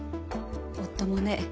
夫もね